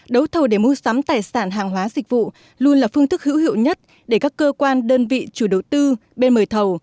đấu thầu để mua sắm tài sản hàng hóa dịch vụ luôn là phương thức hữu hiệu nhất để các cơ quan đơn vị chủ đầu tư bên mời thầu